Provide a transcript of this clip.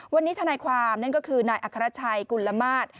วันนี้ทนายความนั่นก็คือนายอัครชัยกุลมาตร